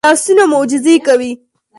لاسونه معجزې کوي